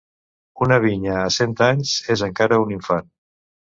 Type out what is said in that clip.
Una vinya a cent anys és encara un infant.